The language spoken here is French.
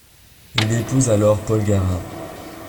Il épouse alors Polgara.